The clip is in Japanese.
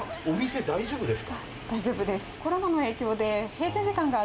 大丈夫です。